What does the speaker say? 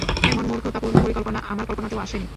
এমন মূর্খতাপূর্ণ পরিকল্পনা আমার কল্পনাতেও আসেনি।